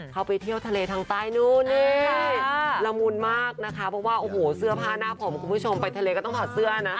เขาไปเที่ยวทะเลทางใต้นู้นนี่ละมุนมากนะคะเพราะว่าโอ้โหเสื้อผ้าหน้าผมคุณผู้ชมไปทะเลก็ต้องถอดเสื้อนะ